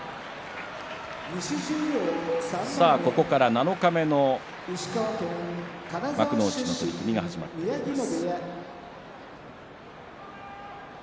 ここから七日目の幕内の取組が始まります。